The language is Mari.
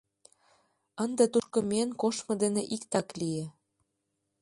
Ынде тушко миен коштмо дене иктак лие.